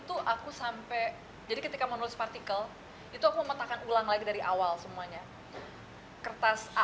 tuh aku sampai jadi ketika menulis partikel itu aku memetakan ulang lagi dari awal semuanya kertas